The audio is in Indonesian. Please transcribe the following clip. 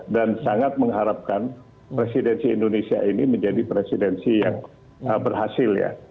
dan sangat mengharapkan presidensi indonesia ini menjadi presidensi yang berhasil ya